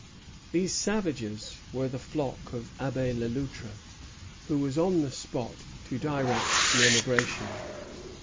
These savages were the flock of Abbé Le Loutre, who was on the spot to direct the emigration.